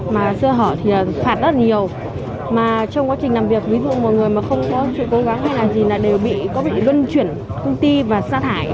mà xưa họ thì phạt rất nhiều mà trong quá trình làm việc ví dụ mọi người mà không có sự cố gắng hay làm gì là đều bị có bị luân chuyển công ty và xa thải